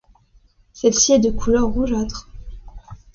Celle-ci est de couleur rougeâtre.